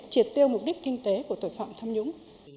triệt tiêu mục đích kinh tế của tội phạm tham nhũng